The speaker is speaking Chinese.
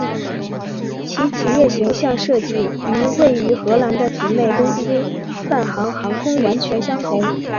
其企业形象设计与位于荷兰的姊妹公司泛航航空完全相同。